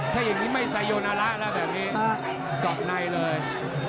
ถ้าอย่างนี้ไม่ไซโยนาระแล้วแบบนี้เจาะในเลย